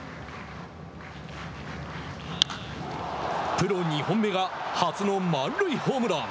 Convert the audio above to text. プロ２本目が初の満塁ホームラン。